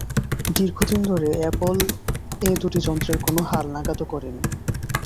দীর্ঘদিন ধরে অ্যাপল এ দুটি যন্ত্রের কোনো হালনাগাদও করেনি।